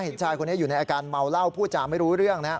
เห็นชายคนนี้อยู่ในอาการเมาเหล้าพูดจาไม่รู้เรื่องนะครับ